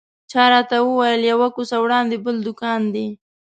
چا راته وویل یوه کوڅه وړاندې بل دوکان دی.